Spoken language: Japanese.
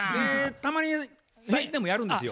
たまに最近でもやるんですよ。